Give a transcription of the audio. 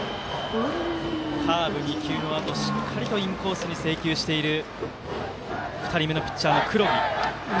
カーブ２球のあとしっかりとインコースに制球している２人目のピッチャーの黒木。